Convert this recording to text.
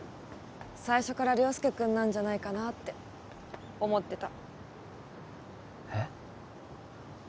最初から良介くんなんじゃないかなって思ってたえっ？